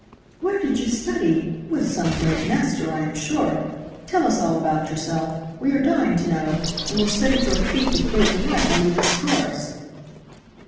"Where did you study? With some great master, I am sure. Tell us all about yourself. We are dying to know, and will sit at your feet with great delight while you discourse."